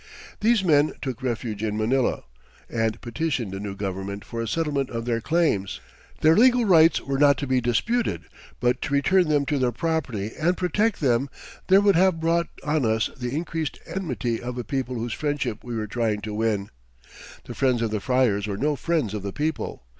These men took refuge in Manila, and petitioned the new government for a settlement of their claims. Their legal rights were not to be disputed, but to return them to their property and protect them there would have brought on us the increased enmity of a people whose friendship we were trying to win. The friends of the friars were no friends of the people.